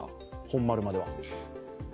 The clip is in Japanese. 本丸までは。